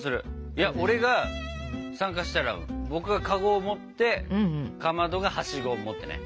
いや俺が参加したら僕がカゴを持ってかまどがハシゴを持ってね。